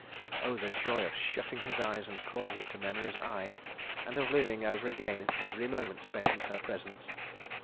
... Oh, the joy of shutting his eyes and calling it to memory's eye, and of living over again every moment spent in her presence!